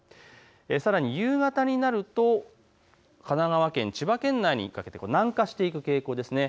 さらに夕方になると神奈川県、千葉県内に南下していく傾向です。